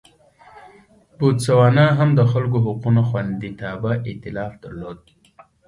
بوتسوانا هم د خلکو حقونو خوندیتابه اېتلاف درلود.